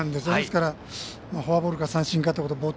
ですからフォアボールか三振かということ